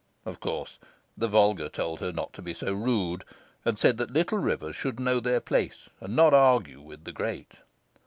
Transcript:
Of course the Volga told her not to be so rude, and said that little rivers should know their place and not argue with the great.